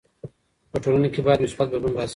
په ټولنه کي بايد مثبت بدلون راسي.